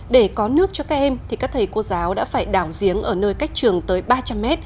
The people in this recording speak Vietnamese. để có nước cho các em thì các thầy cô giáo đã phải đảo giếng ở nơi cách trường tới ba trăm linh m